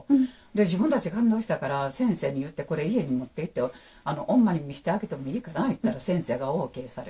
自分たち感動したから先生に言ってこれ家に持っていってオンマに見してあげてもいいかな言ったら先生がＯＫされてね。